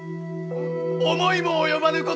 思いも及ばぬ事？